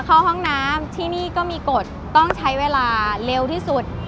เข้าห้องน้ำที่นี่ก็มีกฎต้องใช้เวลาเร็วที่สุด